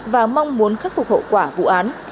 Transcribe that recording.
và mong muốn khắc phục hậu quả vụ án